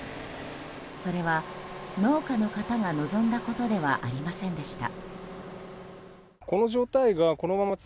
それは、農家の方が望んだことではありませんでした。